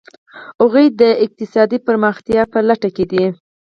هغوی د اقتصادي پرمختیا په لټه کې دي.